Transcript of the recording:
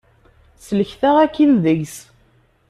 Sellket-aɣ akin deg-s.